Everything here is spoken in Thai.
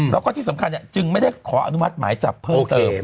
แล้วก็ที่สำคัญจึงไม่ได้ขออนุมัติหมายจับเพิ่มเติม